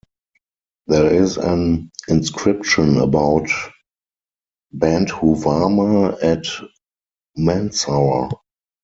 There is an inscription about Bandhuvarma at Mandsaur.